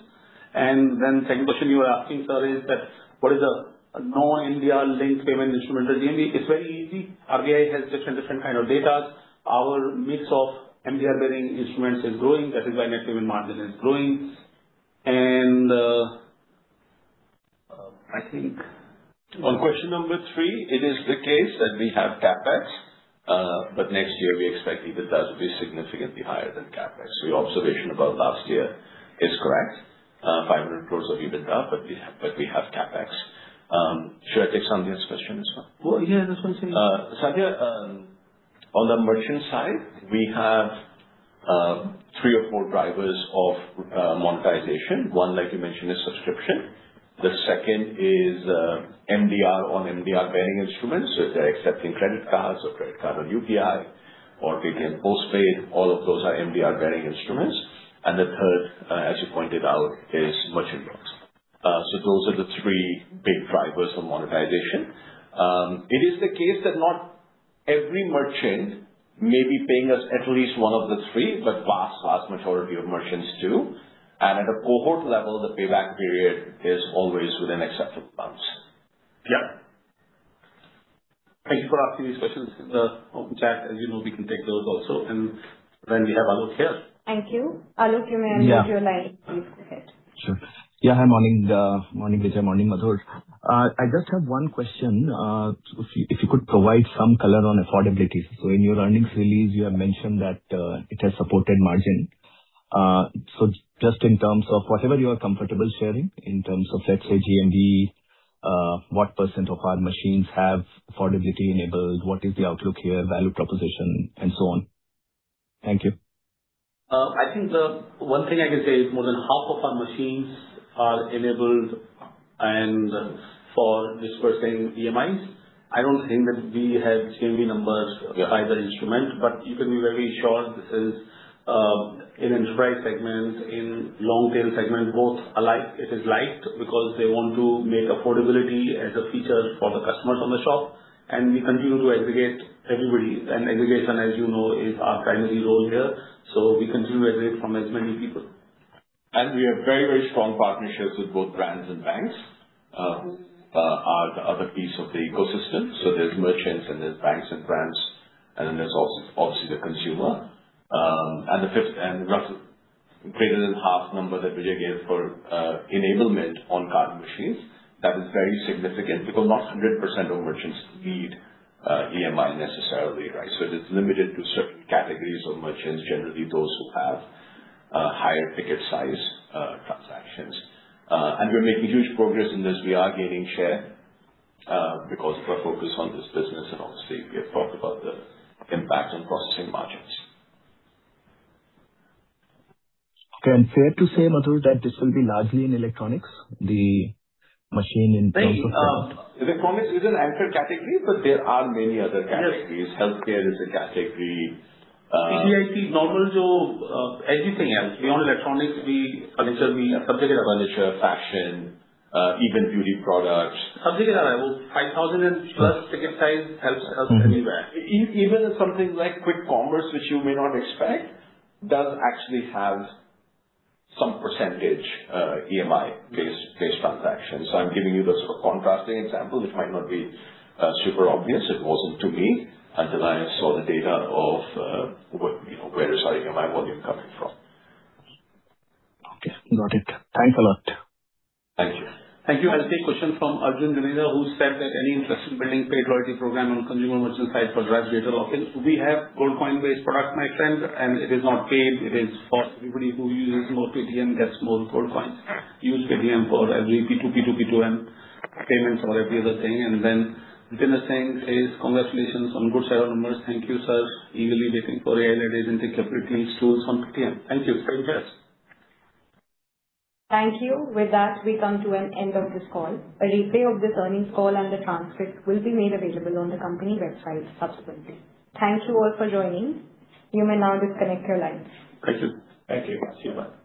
Second question you are asking, sir, is that what is the non-MDR-linked payment instrument or GMV? It's very easy. RBI has different kind of data. Our mix of India-linked instruments is growing. That is why net payment margin is growing. On question number three, it is the case that we have CapEx, but next year we expect EBITDA to be significantly higher than CapEx. Your observation about last year is correct. 500 crore of EBITDA, but we have CapEx. Should I take Sandhya's question as well? Well, yeah, that one's here. Sandhya, on the merchant side, we have three or four drivers of monetization. One, like you mentioned, is subscription. The second is MDR on MDR-bearing instruments. If they're accepting credit cards or credit card on UPI or Paytm Postpaid, all of those are MDR-bearing instruments. The third, as you pointed out, is merchant loans. Those are the three big drivers for monetization. It is the case that not every merchant may be paying us at least one of the three, but vast majority of merchants do. At a cohort level, the payback period is always within acceptable months. Yeah. Thank you for asking these questions in the open chat. As you know, we can take those also and when we have Alok here. Thank you. Alok, you may Yeah. unmute your line, please go ahead. Sure. Yeah, hi, morning, Vijay, morning, Madhur. I just have one question. If you could provide some color on affordability. In your earnings release, you have mentioned that it has supported margin. Just in terms of whatever you are comfortable sharing in terms of, let's say, GMV, what percent of our machines have affordability enabled? What is the outlook here, value proposition, and so on? Thank you. I think the one thing I can say is more than half of our machines are enabled and for disbursing EMIs. I don't think that we have GMV numbers Okay. by the instrument. You can be very sure this is in enterprise segments, in long-tail segments, both alike. It is liked because they want to make affordability as a feature for the customers on the shop, and we continue to aggregate everybody. Aggregation, as you know, is our primary role here. We continue to aggregate from as many people. We have very strong partnerships with both brands and banks are the other piece of the ecosystem. There's merchants and there's banks and brands, and then there's obviously the consumer. The fifth and greater than half number that Vijay gave for enablement on card machines, that is very significant because not 100% of merchants need EMI necessarily, right? It is limited to certain categories of merchants, generally those who have higher ticket size transactions. We're making huge progress in this. We are gaining share because of our focus on this business and obviously we have talked about the impact on processing margins. Okay. Fair to say, Madhur, that this will be largely in electronics, the machine in terms of? No. Electronics is an anchor category, but there are many other categories. Yes. Healthcare is a category. CDIT, normally on everything else. Beyond electronics, furniture. Furniture, fashion, even beauty products. I think 5,000 and plus ticket size helps everywhere. Even something like quick commerce, which you may not expect, does actually have some percentage EMI-based transaction. I'm giving you the sort of contrasting example, which might not be super obvious. It wasn't to me until I saw the data of what, you know, where is our EMI volume coming from. Okay, got it. Thanks a lot. Thank you. Thank you. I'll take question from Arjun Juneja who said that any interest in building paid loyalty program on consumer merchant site for drive digital lock-in. We have gold coin-based product, my friend, and it is not paid. It is for everybody who uses more Paytm gets more gold coins. Use Paytm for every P2P, P2M payments or every other thing. Mr. Singh says, "Congratulations on good set of numbers." Thank you, sir. Eagerly waiting for AI-led agentic capabilities tools on Paytm. Thank you. Very best. Thank you. With that, we come to an end of this call. A replay of this earnings call and the transcript will be made available on the company website subsequently. Thank you all for joining. You may now disconnect your lines. Thank you. Thank you. See you bye.